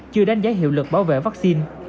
chưa đánh giá hiệu lực bảo vệ vaccine